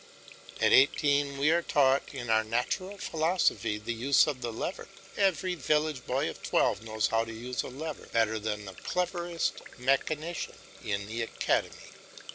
At eighteen we are taught in our natural philosophy the use of the lever; every village boy of twelve knows how to use a lever better than the cleverest mechanician in the academy.